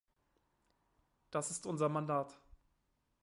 Das ist unser Mandat.